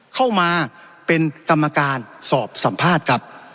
เข้ามาเป็นกรรมการสอบสัมภาษณ์ครับ